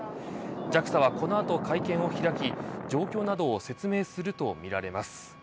ＪＡＸＡはこのあと会見を開き状況などを説明するとみられます。